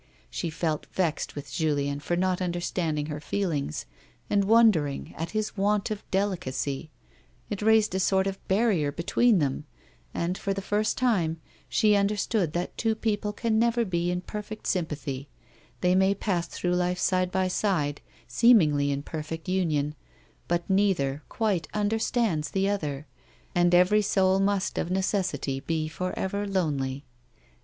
She felt vexed with Julien for not imderstanding her feelings, and Avondered at his want of delicacy ; it raised a sort of barrier between them, and, for the first time, she understood that two people can never be in perfect sympathy ; they may pass through life side by side, seemingly in perfect union, but neither quite understands the other, and every soul must of necessity be for ever lonely.